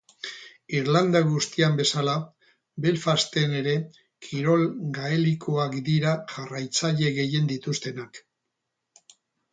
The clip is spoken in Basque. Irlanda guztian bezala, Belfasten ere kirol gaelikoak dira jarraitzaile gehien dituztenak.